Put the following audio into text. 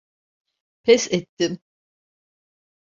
Pes ettim.